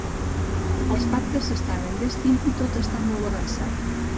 Els pactes s'estan enllestint i tot està molt avançat.